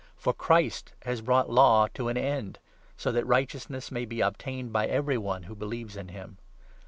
For Christ has brought Law to an end, so that righteousness 4 may be obtained by every one who believes in him.